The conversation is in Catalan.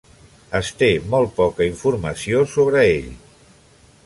Es té molt poca informació sobre ell.